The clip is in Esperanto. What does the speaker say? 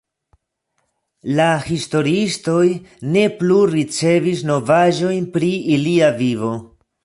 La historiistoj ne plu ricevis novaĵojn pri ilia vivo.